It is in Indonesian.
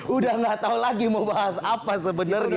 udah gak tau lagi mau bahas apa sebenernya